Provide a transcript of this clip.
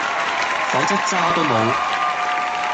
否則渣都無